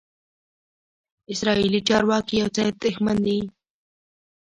اسرائیلي چارواکي یو څه اندېښمن دي.